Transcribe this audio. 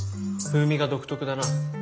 風味が独特だな。